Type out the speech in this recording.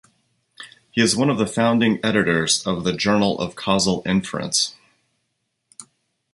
He is one of the founding editors of the "Journal of Causal Inference".